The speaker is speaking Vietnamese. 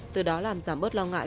từ đó làm giảm bớt lo ngại